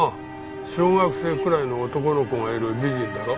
小学生くらいの男の子がいる美人だろ？